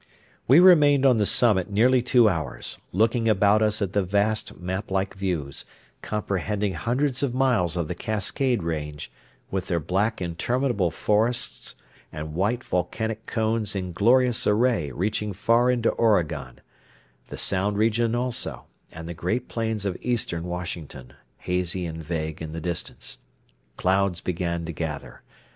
We remained on the summit nearly two hours, looking about us at the vast maplike views, comprehending hundreds of miles of the Cascade Range, with their black interminable forests and white volcanic cones in glorious array reaching far into Oregon; the Sound region also, and the great plains of eastern Washington, hazy and vague in the distance. Clouds began to gather.